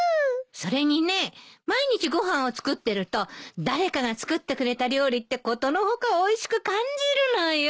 それにねえ毎日ご飯を作ってると誰かが作ってくれた料理ってことの外おいしく感じるのよ。